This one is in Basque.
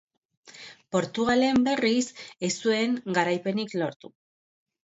Portugalen, berriz, ez zuen garaipenik lortu.